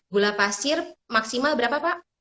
gula pasir maksimal berapa pak